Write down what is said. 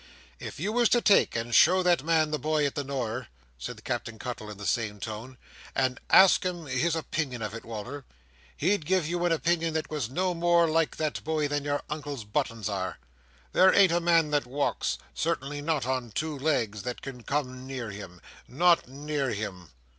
"If you was to take and show that man the buoy at the Nore," said Captain Cuttle in the same tone, "and ask him his opinion of it, Wal"r, he'd give you an opinion that was no more like that buoy than your Uncle's buttons are. There ain't a man that walks—certainly not on two legs—that can come near him. Not near him!"